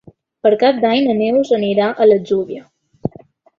Per Cap d'Any na Neus irà a l'Atzúbia.